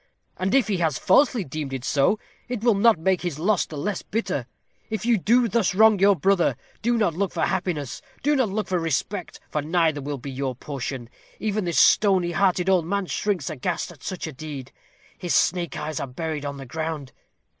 And if he has falsely deemed it so, it will not make his loss the less bitter. If you do thus wrong your brother, do not look for happiness; do not look for respect; for neither will be your portion. Even this stony hearted old man shrinks aghast at such a deed. His snake like eyes are buried on the ground.